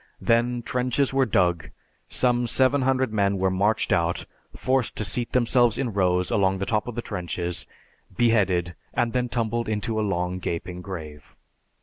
Then, trenches were dug, some seven hundred men were marched out, forced to seat themselves in rows along the top of the trenches, beheaded, and then tumbled into a long gaping grave.